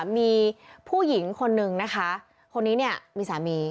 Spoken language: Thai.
มีผู้หญิงคนนึงนะคะคนนี้เนี่ยมีสามี